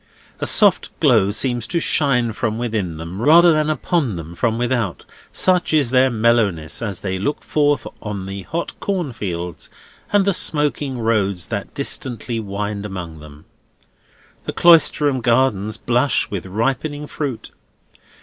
A soft glow seems to shine from within them, rather than upon them from without, such is their mellowness as they look forth on the hot corn fields and the smoking roads that distantly wind among them. The Cloisterham gardens blush with ripening fruit.